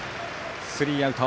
スリーアウト。